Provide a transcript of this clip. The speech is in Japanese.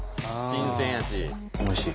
新鮮やし。